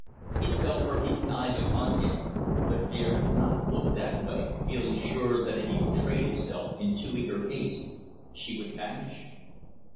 He felt her hidden eyes upon him, but dared not look that way feeling sure that if he betrayed himself in too eager haste she would vanish.